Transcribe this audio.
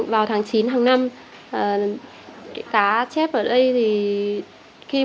vào tháng chín tháng năm cá chép vào đấu củng này sẽ được trồng cháu